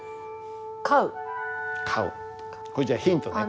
それじゃあヒントね。